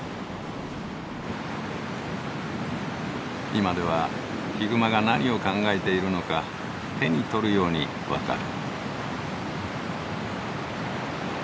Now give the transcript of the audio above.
今ではヒグマが何を考えているのか手に取るように分かる。